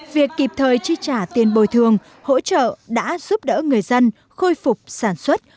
việc kịp thời chi trả tiền bồi thường hỗ trợ đã giúp đỡ người dân khôi phục sản xuất